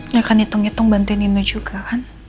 ya kan hitung hitung bantuin ini juga kan